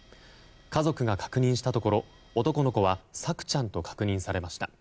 家族が確認したところ男の子は朔ちゃんと確認されました。